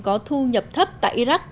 có thu nhập thấp tại iraq